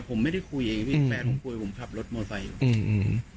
ผมไม่ได้คุยแฟนผมคุยผมขับรถมอไซค์อยู่อืม